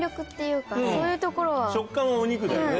食感はお肉だよね。